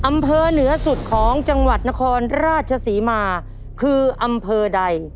อำเภอเหนือสุดของจังหวัดนครราชศรีมาคืออำเภอใด